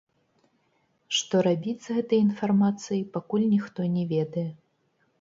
Што рабіць з гэтай інфармацыяй, пакуль ніхто не ведае.